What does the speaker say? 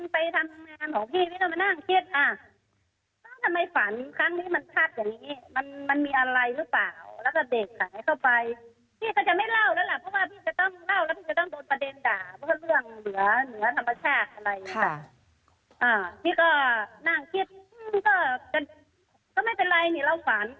พี่ก็น่าเกลียดก็ไม่เป็นไรเนี่ยเราฝัน